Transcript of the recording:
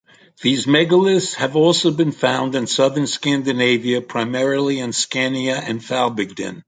These megaliths have also been found in southern Scandinavia, primarily in Scania and Falbygden.